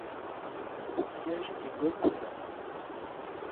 Son siège est Golconda.